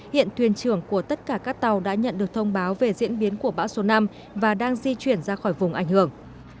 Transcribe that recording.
hiện thuyền trưởng của tất cả các tàu đã nhận được thông báo về diễn biến của bão số năm và đang di chuyển ra khỏi vùng ảnh hưởng